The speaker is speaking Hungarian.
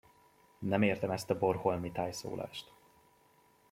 Nem értem ezt a bornholmi tájszólást!